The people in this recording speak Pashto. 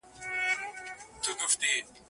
« منم که شهره شهرم به عشق ورزیدن